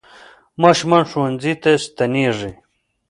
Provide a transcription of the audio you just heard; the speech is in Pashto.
ماشومان ښوونځیو ته ستنېږي.